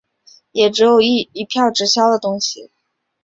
也只有一票直销的东西